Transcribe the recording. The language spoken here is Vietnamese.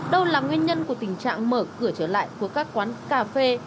đâu là nguyên nhân của tình trạng mở cửa trở lại của các quán cà phê